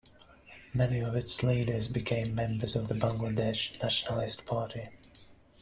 Many of its leaders became members of the Bangladesh Nationalist Party.